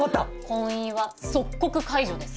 婚姻は即刻解除です。